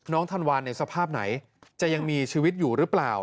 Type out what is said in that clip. ธันวาลในสภาพไหนจะยังมีชีวิตอยู่หรือเปล่า